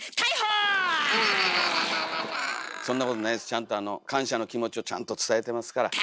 ちゃんと感謝の気持ちをちゃんと伝えてますから。